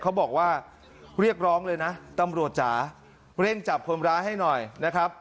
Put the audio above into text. เขาบอกว่าเรียกร้องเลยนะตำรวจจ๋าเร่งจับคนร้ายให้หน่อยนะครับ